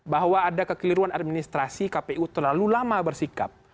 bahwa ada kekeliruan administrasi kpu terlalu lama bersikap